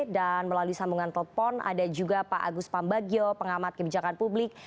dan melalui sambungan telepon ada juga pak agus pambagio pengamat kebijakan publik